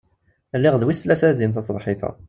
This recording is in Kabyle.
Lliɣ d wis tlata din taṣebḥit-a.